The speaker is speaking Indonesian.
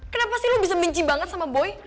kenapa sih lo bisa benci banget sama boy